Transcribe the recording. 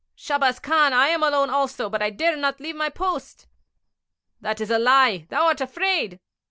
'Shahbaz Khan, I am alone also; but I dare not leave my post!' 'That is a lie; thou art afraid.'